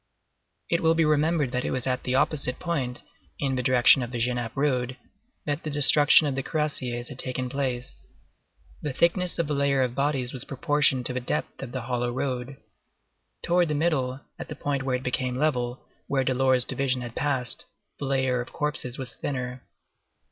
It will be remembered that it was at the opposite point, in the direction of the Genappe road, that the destruction of the cuirassiers had taken place. The thickness of the layer of bodies was proportioned to the depth of the hollow road. Towards the middle, at the point where it became level, where Delort's division had passed, the layer of corpses was thinner.